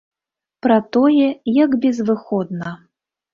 Пра тое, як безвыходна.